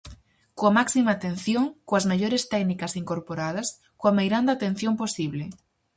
Coa máxima atención, coas melloras técnicas incorporadas, coa meirande atención posible.